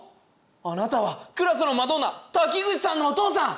あなたはクラスのマドンナ滝口さんのお父さん！